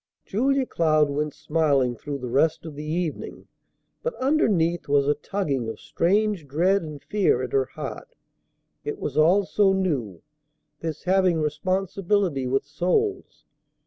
Julia Cloud went smiling through the rest of the evening, but underneath was a tugging of strange dread and fear at her heart. It was all so new, this having responsibility with souls.